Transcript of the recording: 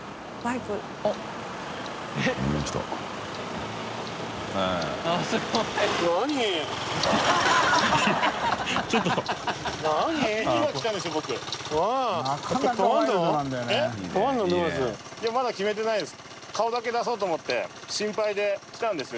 いやまだ決めてないです。